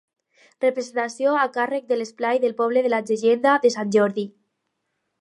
Representació a càrrec de l'esplai del poble de la llegenda de Sant Jordi.